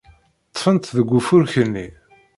Ṭṭfent deg ufurk-nni.